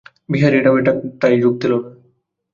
বিহারীও এ ঠাট্টায় যোগ দিল না।